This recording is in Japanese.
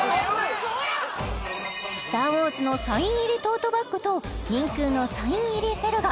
「スター・ウォーズ」のサイン入りトートバッグと「ＮＩＮＫＵ−忍空−」のサイン入りセル画